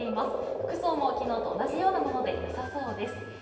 服装も昨日と同じようなものでよさそうです。